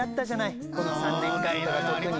この３年間とか特にね。